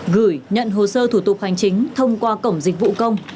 gửi nhận hồ sơ thủ tục hành chính thông qua cổng dịch vụ công